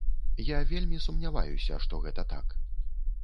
Я вельмі сумняваюся, што гэта так.